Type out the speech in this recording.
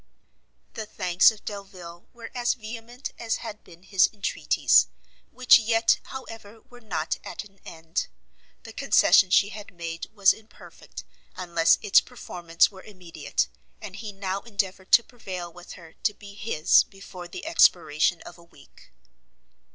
The thanks of Delvile were as vehement as had been his entreaties, which yet, however, were not at an end; the concession she had made was imperfect, unless its performance were immediate, and he now endeavoured to prevail with her to be his before the expiration of a week.